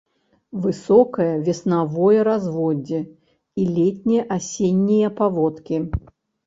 Высокае веснавое разводдзе і летне-асеннія паводкі.